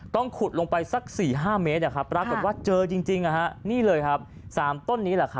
ขุดลงไปสัก๔๕เมตรปรากฏว่าเจอจริงนี่เลยครับ๓ต้นนี้แหละครับ